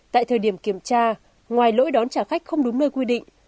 tại thời điểm kiểm tra ngoài lỗi đón trả khách không đúng nơi quy định